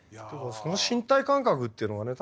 その身体感覚っていうのはね